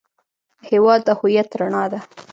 هېواد د هویت رڼا ده.